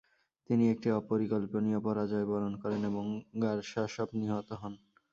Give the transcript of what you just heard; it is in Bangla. তিনি একটি অপরিকল্পনীয় পরাজয় বরণ করেন এবং গারশাসপ নিহত হন।